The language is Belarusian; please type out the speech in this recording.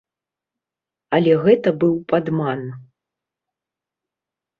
Але гэта быў падман.